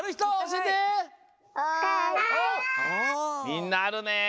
みんなあるねえ。